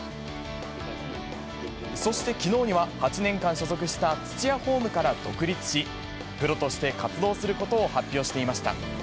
そして、きのうには８年間所属した土屋ホームから独立し、プロとして活動することを発表していました。